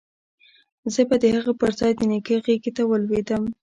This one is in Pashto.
زه به د هغه پر ځاى د نيکه غېږې ته ولوېدم.